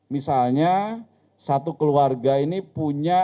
misalnya satu keluarga ini punya